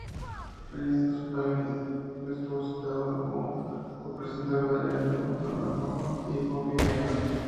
Regis Philbin estuvo citado como co-presentador del evento, junto a McMahon y Bobby Heenan.